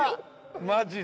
マジで。